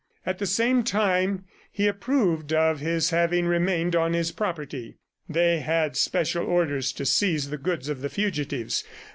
At the same time he approved of his having remained on his property. They had special orders to seize the goods of the fugitives.